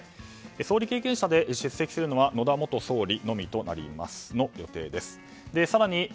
総理経験者で出席するのは野田元総理のみの予定です。